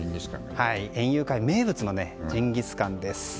園遊会名物のジンギスカンです。